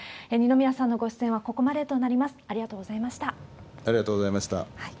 二宮さんのご出演はここまでとなありがとうございました。